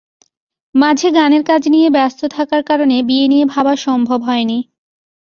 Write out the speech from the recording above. মাঝে গানের কাজ নিয়ে ব্যস্ত থাকার কারণে বিয়ে নিয়ে ভাবা সম্ভব হয়নি।